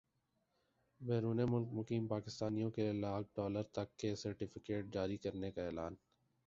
بیرون ملک مقیم پاکستانیوں کیلئے لاکھ ڈالر تک کے سرٹفکیٹ جاری کرنے کا اعلان